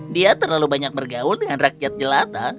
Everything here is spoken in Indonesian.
dia terlalu banyak bergaul dengan rakyat jelata